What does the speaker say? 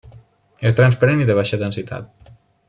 És transparent i de baixa densitat.